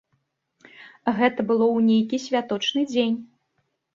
Гэта было ў нейкі святочны дзень.